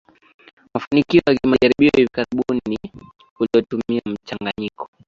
mafanikio ya kimajaribio hivi karibuni ni uliotumia mchanganyiko